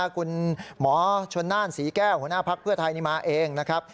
คุณหมอชนน่านศรีแก้วหัวหน้าภักดิ์เพื่อไทยนี่มาเองนะครับ